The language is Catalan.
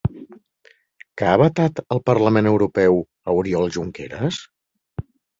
Què ha vetat el Parlament Europeu a Oriol Junqueras?